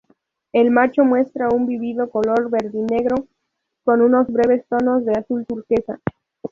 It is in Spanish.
El macho muestra un vívido color verdinegro, con unos breves tonos de azul turquesa.